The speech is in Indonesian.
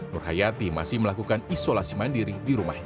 nur hayati masih melakukan isolasi mandiri di rumahnya